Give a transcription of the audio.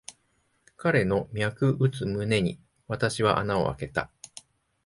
彼の脈打つ胸に、私は穴をあけた。